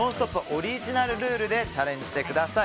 オリジナルルールでチャレンジしてください。